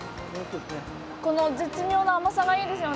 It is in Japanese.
この絶妙な甘さがいいですよね。